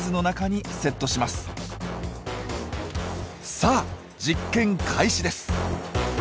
さあ実験開始です！